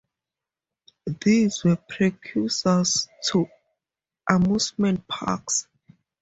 These were precursors to amusement parks.